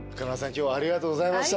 今日ありがとうございました。